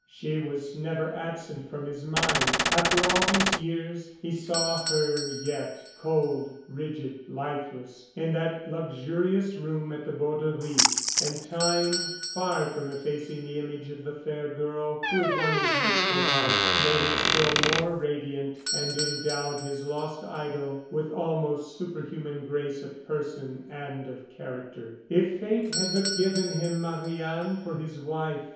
She was never absent from his mind. After all these years he saw her yet, cold, rigid, lifeless, in that luxurious room at the Borderie; and time, far from effacing the image of the fair girl who had won his youthful heart, made it still more radiant and endowed his lost idol with almost superhuman grace of person and of character. If fate had but given him Marie Anne for his wife!